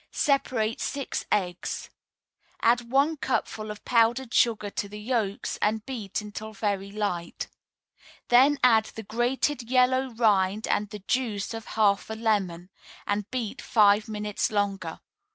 Separate six eggs. Add one cupful of powdered sugar to the yolks, and beat until very light; then add the grated yellow rind and the juice of half a lemon, and beat five minutes longer.